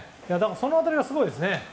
その辺りはすごいですね。